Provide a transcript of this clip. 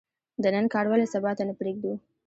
د نن کار ولې سبا ته نه پریږدو؟